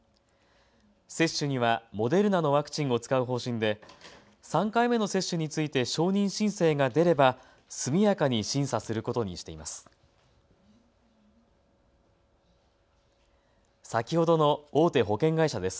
接種にはモデルナのワクチンを使う方針で３回目の接種について承認申請が出れば速やかに審査することにしています。